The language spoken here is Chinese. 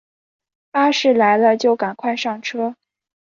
巴士来了就赶快上车